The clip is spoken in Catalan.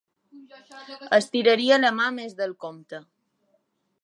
Estiraria la mà més del compte.